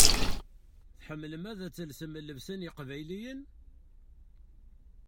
Tḥemmlem ad telsem llebsa n yeqbayliyen?